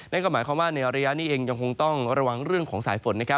นั่นก็หมายความว่าในระยะนี้เองยังคงต้องระวังเรื่องของสายฝน